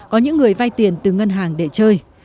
có những người vay tiền từ ngân hàng để chơi